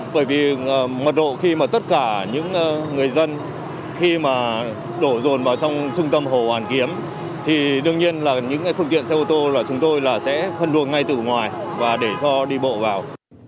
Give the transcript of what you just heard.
bởi vì mật độ khi tất cả những người dân đổ dồn vào trong trung tâm hồ hoàn kiếm thì đương nhiên những phương tiện xe ô tô chúng tôi sẽ phân luồng ngay từ ngoài và để cho đi bộ vào